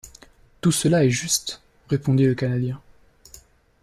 Tout cela est juste, répondit le Canadien.